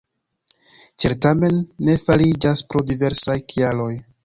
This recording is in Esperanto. Tiel tamen ne fariĝas, pro diversaj kialoj.